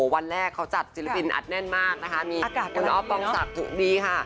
วันแรกเขาจัดจิลปินอัดแน่นมากนะคะ